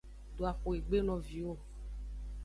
Do axwegbe no viwo.